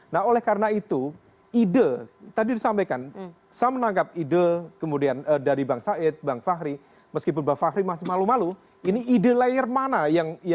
nah oleh karena itu ide tadi disampaikan saya menangkap ide kemudian dari bang said bang fahri meskipun bang fahri masih malu malu ini ide layer mana yang